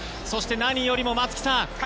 そして、何よりも松木さん